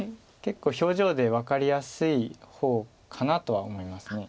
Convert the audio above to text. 結構表情で分かりやすい方かなとは思います。